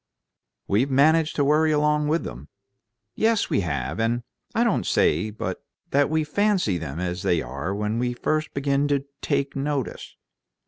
"We've managed to worry along with them." "Yes, we have. And I don't say but what we fancy them as they are when we first begin to 'take notice.'